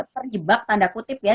terjebak tanda kutip ya